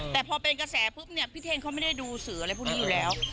แต่พอเป็นกระแสปุ๊บเนี่ยพี่เท่งเขาไม่ได้ดูสื่ออะไรพวกนี้อยู่แล้ว